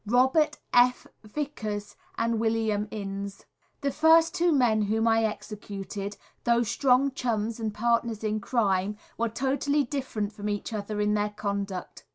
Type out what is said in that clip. Robert F. Vickers and William Innes. The first two men whom I executed, though strong chums and partners in crime, were totally different from each other in their conduct.